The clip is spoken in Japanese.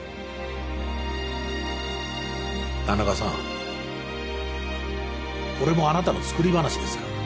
田中さんこれもあなたの作り話ですか？